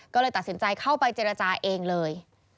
ก็เลยตัดสินใจเข้าไปเจรจาเองเลย